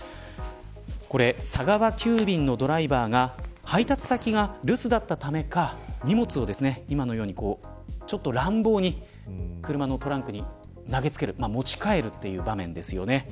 佐川急便のドライバーが配達先が留守だったためか荷物を今のようにちょっと乱暴に車のトランクに投げつける持ち帰るという場面です。